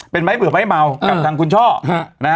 เป็นไม้เบื่อไม้เมากับทางคุณช่อนะฮะ